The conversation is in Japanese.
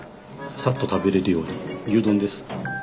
サッと食べれるように牛丼です。